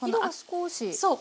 そう。